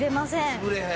潰れへん。